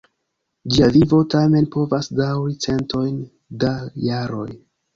Ĝia vivo tamen povas daŭri centojn da jaroj.